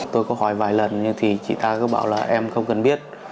tôi có hỏi vài lần thì chị ta cứ bảo là em không cần biết